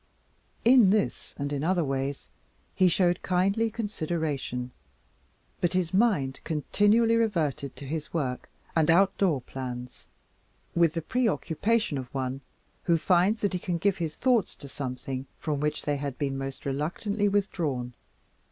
In this and in other ways he showed kindly consideration, but his mind continually reverted to his work and outdoor plans with the preoccupation of one who finds that he can again give his thoughts to something from which they had been most reluctantly withdrawn.